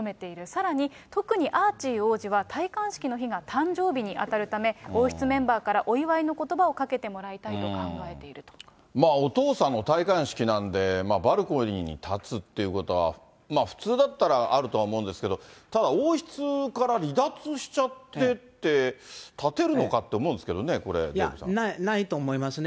さらに、特にアーチー王子は戴冠式の日が誕生日に当たるため、王室メンバーからお祝いのことばをかけてもらいたいと考えているお父さんの戴冠式なんで、バルコニーに立つっていうことは、普通だったらあるとは思うんですけど、ただ、王室から離脱しちゃってって、立てるのかって思うんですけどね、これ、ないと思いますね。